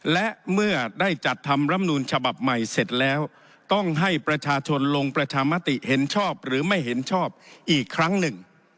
และเมื่อได้จัดทำรำนูลฉบับใหม่เสร็จแล้วต้องให้ประชาชนลงประชามติเห็นชอบหรือไม่เห็นชอบอีกครั้งหนึ่ง